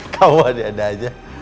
kamu ada ada aja